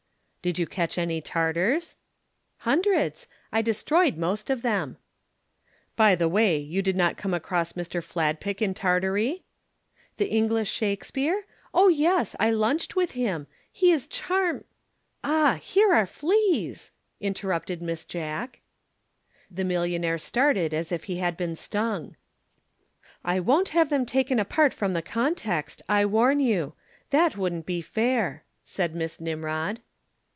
"Did you catch any Tartars?" "Hundreds. I destroyed most of them." "By the way, you did not come across Mr. Fladpick in Tartary?" "The English Shakespeare? Oh, yes! I lunched with him. He is charm " "Ah, here are the fleas!" interrupted Miss Jack. The millionaire started as if he had been stung. "I won't have them taken apart from the context, I warn you. That wouldn't be fair," said Miss Nimrod.